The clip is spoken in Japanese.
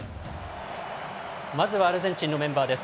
まずはアルゼンチンのメンバーです。